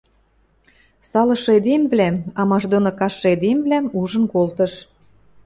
Салышы эдемвлӓм, амаш доны каштшы эдемвлӓм ужын колтыш.